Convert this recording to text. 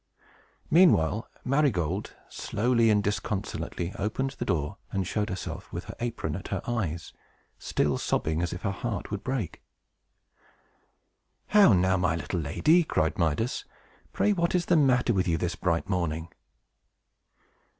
Meanwhile, Marygold slowly and disconsolately opened the door, and showed herself with her apron at her eyes, still sobbing as if her heart would break. "How now, my little lady!" cried Midas. "Pray what is the matter with you, this bright morning?"